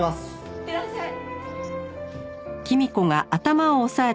いってらっしゃい！